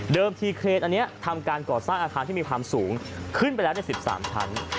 ทีเครนอันนี้ทำการก่อสร้างอาคารที่มีความสูงขึ้นไปแล้วใน๑๓ชั้น